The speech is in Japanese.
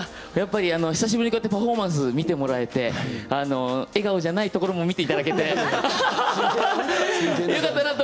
久しぶりにパフォーマンス見てもらえて笑顔じゃないところも見てもらえてよかったなと。